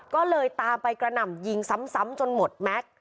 ก็เลยตามไปกระหน่ำยิงซ้ำจนหมดแม็กซ์